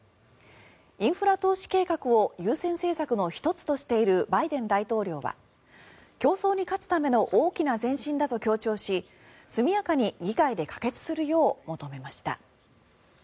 インフラ投資計画を優先政策の１つとしているバイデン大統領は競争に勝つための大きな前進だと強調し速やかに議会で可決するよう求めました。